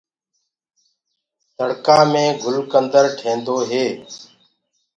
ڪآڙهآ مي گُلڪندر لگدو هي۔